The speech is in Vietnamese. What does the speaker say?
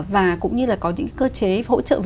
và cũng như là có những cơ chế hỗ trợ về